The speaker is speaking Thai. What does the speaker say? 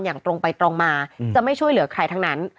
อย่างตรงไปตรงมาจะไม่ช่วยเหลือใครทั้งนั้น